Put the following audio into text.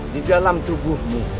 di dalam tubuhmu